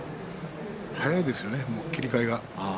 早いですよね切り替えが。